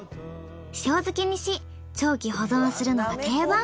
塩漬けにし長期保存するのが定番。